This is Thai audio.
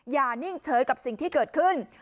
นิ่งเฉยกับสิ่งที่เกิดขึ้น